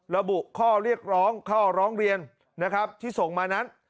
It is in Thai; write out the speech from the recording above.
ระบุข้อเรียกร้องข้อร้องเรียนนะครับที่ส่งมานั้น